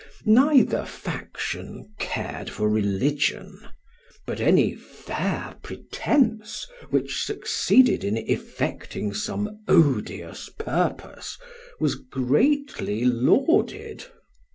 Neither faction cared for religion; but any fair pretence which succeeded in effecting some odious purpose was greatly lauded.